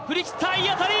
いいあたり